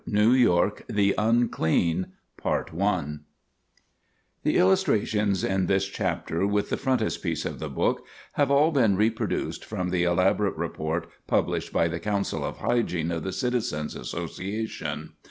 IV NEW YORK, THE UNCLEAN The illustrations in this chapter, with the frontispiece of the book, have all been reproduced from the elaborate report published by the Council of Hygiene of the Citizens' Association.